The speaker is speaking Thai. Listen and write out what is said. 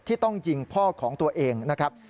ต้องยิงพ่อของตัวเองนะครับ